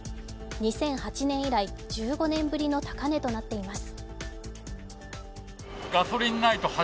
２００８年以来、１５年ぶりの高値となっています。